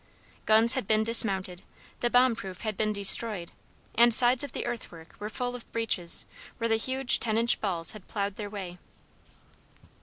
Guns had been dismounted, the bomb proof had been destroyed, and the sides of the earth work were full of breaches where the huge ten inch balls had ploughed their way.